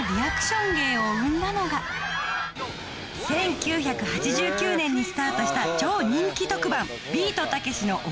１９８９年にスタートした超人気特番